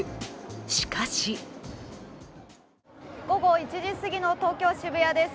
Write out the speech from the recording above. しかし午後１時すぎの東京・渋谷です。